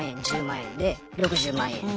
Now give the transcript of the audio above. １０万円で６０万円。